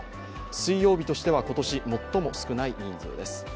水曜日としては今年最も少ない人数です。